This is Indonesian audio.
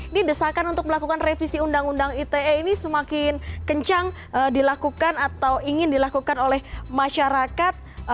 ini desakan untuk melakukan revisi undang undang ite ini semakin kencang dilakukan atau ingin dilakukan oleh masyarakat